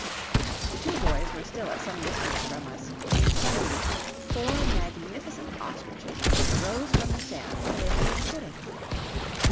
The two boys were still at some distance from us, when suddenly four magnificent ostriches rose from the sand where they had been sitting.